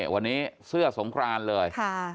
วันนี้เสื้อสงครานเลย